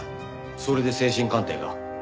それで精神鑑定が。